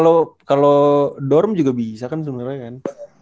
ya kalo dorm juga bisa kan sebenernya kan